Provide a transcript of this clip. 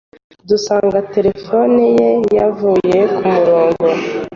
dusanga telefone ye yavuye ku murongo